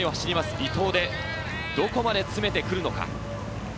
伊藤で、どこまで詰めてくるのか。